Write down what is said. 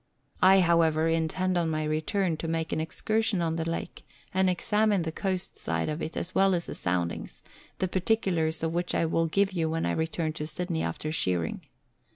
I, however, intend on my return to make an excursion on the lake, and examine the coast side of it as well as the soundings, the particulars of which I will give you when I return to Sydney after shearing.